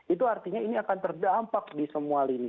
itu artinya ini akan terdampak di semua lini